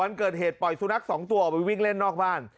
ออกไปวิ่งเล่นนอกบ้าน